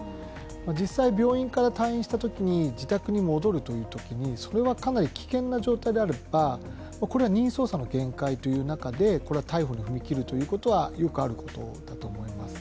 実際、病院から退院したときに自宅に戻るというときにそれはかなり危険な状態であれば任意捜査の限界で逮捕に踏み切るということはよくあることだと思います。